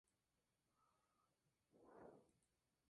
El algodón y el girasol son comercializados en su totalidad.